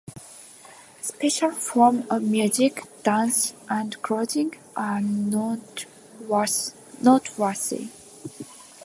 Special forms of music, dance, and clothing are noteworthy.